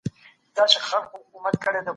موږ د خپل وجود په قوي ساتلو بوخت یو.